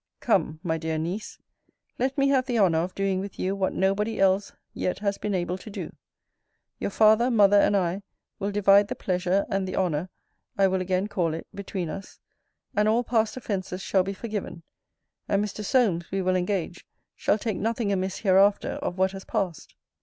Come, my dear niece, let me have the honour of doing with you what no body else yet has been able to do. Your father, mother, and I, will divide the pleasure, and the honour, I will again call it, between us; and all past offences shall be forgiven; and Mr. Solmes, we will engage, shall take nothing amiss hereafter, of what has passed.